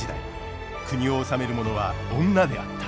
国を治める者は女であった。